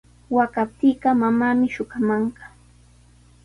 Waqaptiiqa mamaami shuqamanqa.